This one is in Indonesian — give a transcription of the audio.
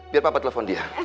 biar papa telepon dia